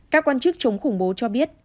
các quan chức chống khủng bố cho biết